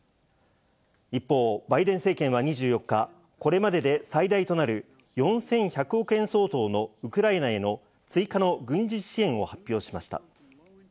一方、バイデン政権は２４日、これまでで最大となる４１００億円相当のウクライナへの追加の軍事支援を発表しました。